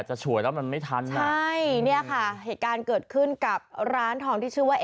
ฉวยแล้วมันไม่ทันนะใช่เนี่ยค่ะเหตุการณ์เกิดขึ้นกับร้านทองที่ชื่อว่า